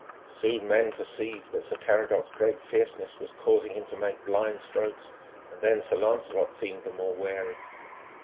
Soon men perceived that Sir Caradoc's great fierceness was causing him to make blind strokes, and then Sir Lancelot seemed the more wary.